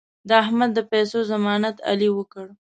د احمد د پیسو ضمانت علي وکړ.